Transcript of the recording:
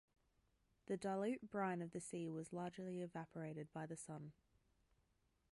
The dilute brine of the sea was largely evaporated by the sun.